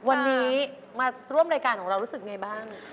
วันนี้มาร่วมรายการของเรารู้สึกไงบ้าง